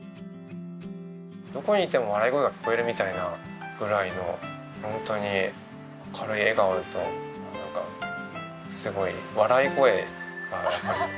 どこにいても笑い声が聞こえるみたいなぐらいのホントに明るい笑顔とすごい笑い声がね